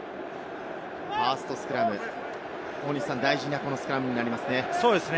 ファーストスクラム、大事なスクラムになりますね。